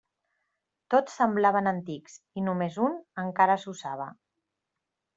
Tots semblaven antics i només un encara s'usava.